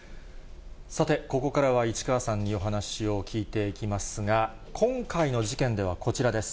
さて、ここからは、市川さんにお話を聞いていきますが、今回の事件では、こちらです。